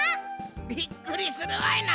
びっくりするわいな。